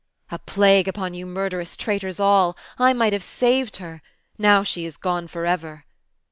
"A plague upon you murderous traitors all ! I might have saved her. Now she is gone for ever.